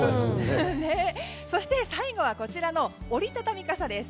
そして最後はこちらの折りたたみ傘です。